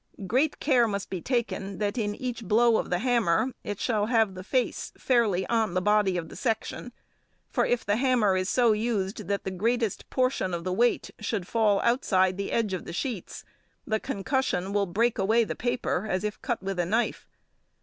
Great care must be taken that in each blow of the hammer it shall have the face fairly on the body of the section, for if the hammer is so used that the greatest portion of the weight should fall outside the edge of the sheets the concussion will break away the paper as if cut with a knife.